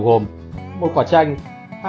cách làm nước gừng chanh sả